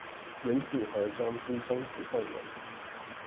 原子核中之中子動能